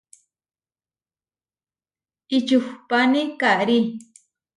Ičuhpáni karí.